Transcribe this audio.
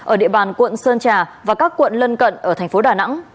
ở địa bàn quận sơn trà và các quận lân cận ở thành phố đà nẵng